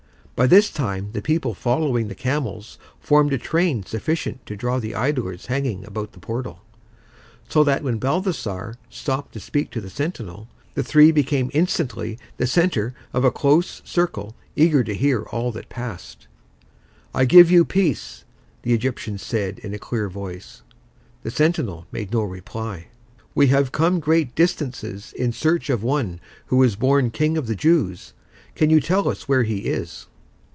By this time the people following the camels formed a train sufficient to draw the idlers hanging about the portal; so that when Balthasar stopped to speak to the sentinel, the three became instantly the centre of a close circle eager to hear all that passed. "I give you peace," the Egyptian said, in a clear voice. The sentinel made no reply. "We have come great distances in search of one who is born King of the Jews. Can you tell us where he is?"